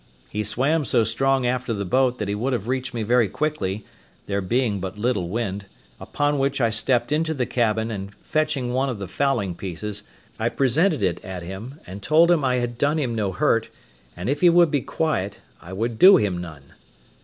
He swam so strong after the boat that he would have reached me very quickly, there being but little wind; upon which I stepped into the cabin, and fetching one of the fowling pieces, I presented it at him, and told him I had done him no hurt, and if he would be quiet I would do him none.